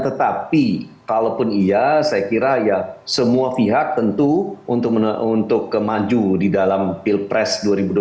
tetapi kalaupun iya saya kira ya semua pihak tentu untuk kemaju di dalam pilpres dua ribu dua puluh